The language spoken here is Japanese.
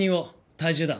体重だ。